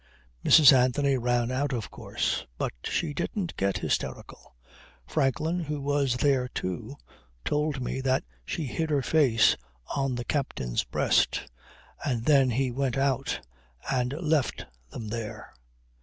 Mrs. Anthony ran out of course but she didn't get hysterical. Franklin, who was there too, told me that she hid her face on the captain's breast and then he went out and left them there.